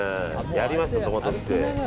やりました、トマトすくい。